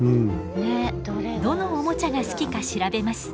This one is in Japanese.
どのおもちゃが好きか調べます。